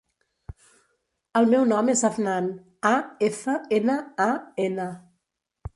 El meu nom és Afnan: a, efa, ena, a, ena.